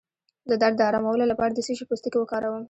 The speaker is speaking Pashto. د درد د ارامولو لپاره د څه شي پوستکی وکاروم؟